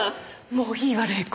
もういいわ麗子。